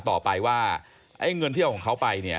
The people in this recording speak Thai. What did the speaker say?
ต่อไปว่าเงินที่เอาของเขาไป